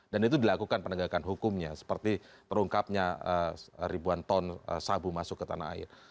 dan itu dilakukan penegakan hukumnya seperti perungkapnya ribuan ton sabu masuk ke tanah air